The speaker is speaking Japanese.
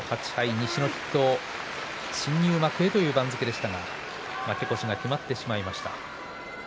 西の筆頭、新入幕へという番付でしたが負け越しが決まってしまいました。